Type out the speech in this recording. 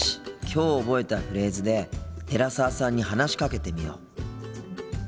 きょう覚えたフレーズで寺澤さんに話しかけてみよう。